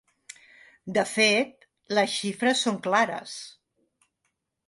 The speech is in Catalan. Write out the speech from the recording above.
De fet, les xifres són clares.